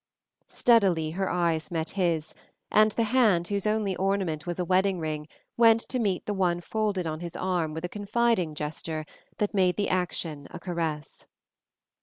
Steadily her eyes met his, and the hand whose only ornament was a wedding ring went to meet the one folded on his arm with a confiding gesture that made the action a caress.